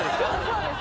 そうです